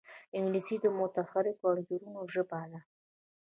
انګلیسي د متحرکو انځورونو ژبه ده